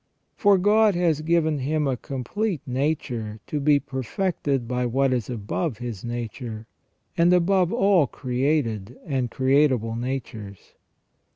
For God has given him a complete nature to be perfected by what is above his nature, and above all created and creatable natures.